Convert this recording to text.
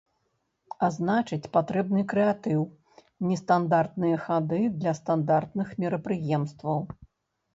А значыць, патрэбны крэатыў, нестандартныя хады для стандартных мерапрыемстваў.